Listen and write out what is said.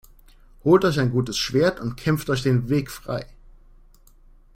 Holt euch ein gutes Schwert und kämpft euch den Weg frei!